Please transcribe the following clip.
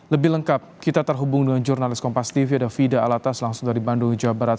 lebih lengkap kita terhubung dengan jurnalis kompas tv ada fida alatas langsung dari bandung jawa barat